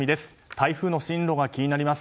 台風の進路が気になります。